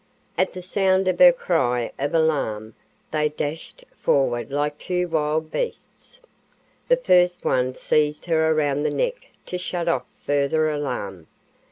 At the sound of her cry of alarm, they dashed forward like two wild beasts. The first one seized her around the neck to shut off further alarm.